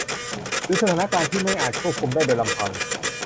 หรือสถานการณ์ที่ไม่อาจควบคุมได้โดยลำพัง